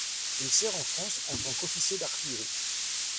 Il sert en France en tant qu'officier d'artillerie.